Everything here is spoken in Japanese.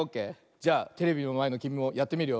じゃあテレビのまえのきみもやってみるよ。